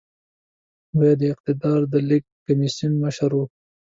بيا د اقتدار د لېږد کميسيون مشر و.